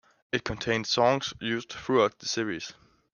It contained songs used throughout the series.